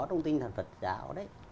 trong tinh thần phật giáo đấy